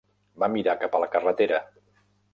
Va mirar cap a la carretera.